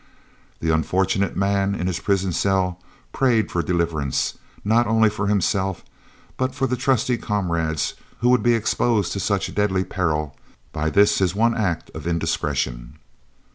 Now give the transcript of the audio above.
The unfortunate man, in his prison cell, prayed for deliverance, not only for himself, but for the trusty comrades who would be exposed to such deadly peril by this, his one act of indiscretion.